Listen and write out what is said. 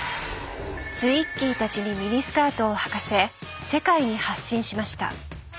ツイッギーたちにミニスカートをはかせ世界に発信しました。